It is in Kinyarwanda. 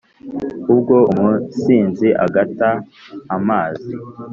ubwo umusinzi agata amazi